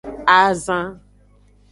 Azan.